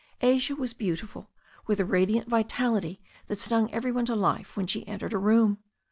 Asia was beautiful with a radiant vitality that stung every one to life when she entered a room.